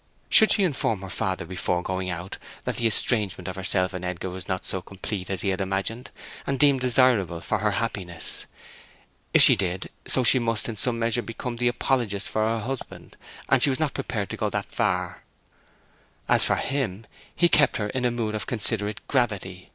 Should she inform her father before going out that the estrangement of herself and Edgar was not so complete as he had imagined, and deemed desirable for her happiness? If she did so she must in some measure become the apologist of her husband, and she was not prepared to go so far. As for him, he kept her in a mood of considerate gravity.